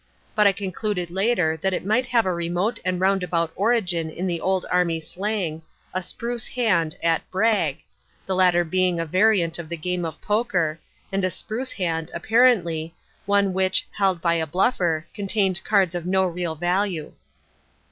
But I concluded later that it might have a remote and roundabout origin in the old army slang, "a spruce hand" at "brag" the latter being a variant of the game of poker, and a spruce hand, apparently, one which, held by a bluffer, contained cards of no real value.